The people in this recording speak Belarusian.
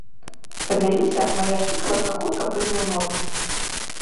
Спадзяюся, мая шчыкалатка хутка прыйдзе ў норму.